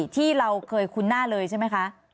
ที่เราเคยคุ้นหน้าเลยใช่ไหมคะ